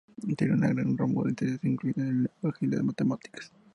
Tenía un gran rango de intereses, incluyendo el lenguaje y las matemáticas.